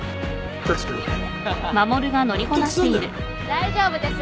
大丈夫です。